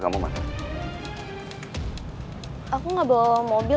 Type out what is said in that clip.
kau sudah bernafas awal k lista polisi wang demen sasilar